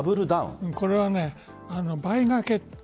これは倍がけ。